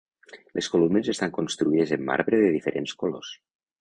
Les columnes estan construïdes en marbre de diferents colors.